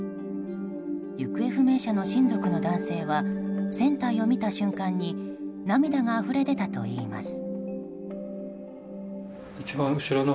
行方不明者の親族の男性は船体を見た瞬間に涙があふれ出たといいます。